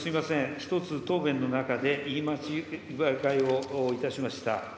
１つ、答弁の中で言い間違いをいたしました。